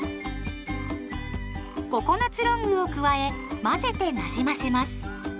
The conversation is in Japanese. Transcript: ココナツロングを加え混ぜてなじませます。